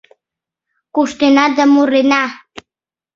Куштена да мурена.